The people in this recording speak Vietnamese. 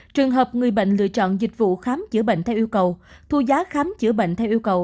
trường hợp người bệnh lựa chọn dịch vụ khám chữa bệnh theo yêu cầu thu giá khám chữa bệnh theo yêu cầu